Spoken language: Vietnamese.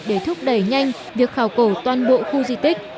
để thúc đẩy nhanh việc khảo cổ toàn bộ khu di tích